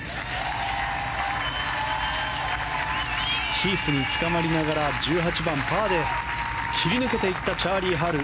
ヒースにつかまりながら１８番、パーで切り抜けていったチャーリー・ハル。